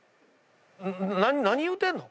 な何言うてんの？